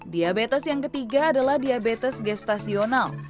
diabetes yang ketiga adalah diabetes gestasional